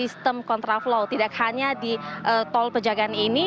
untuk menjaga kontraflow tidak hanya di tol pejagaan ini